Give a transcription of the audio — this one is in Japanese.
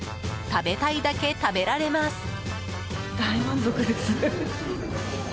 食べたいだけ食べられます。